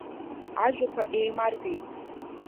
Ажәақәа еимаркит.